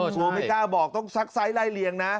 กลัวไม่กล้าบอกต้องซักไซส์ไล่เลียงนะ